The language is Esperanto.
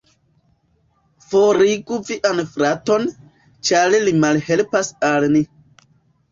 Forigu vian fraton, ĉar li malhelpas al ni.